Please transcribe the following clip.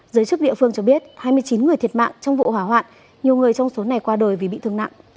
giới chức địa phương cho biết hai mươi chín người thiệt mạng trong vụ hỏa hoạn nhiều người trong số này qua đời vì bị thương nặng